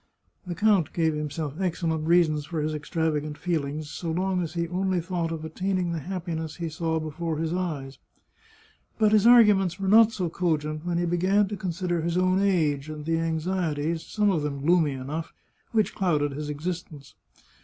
The count gave himself excellent reasons for his extrava gant feelings so long as he only thought of attaining the happiness he saw before his eyes. But his arguments were not so cogent when he began to consider his own age, and the anxieties, some of them gloomy enough, which clouded his existence.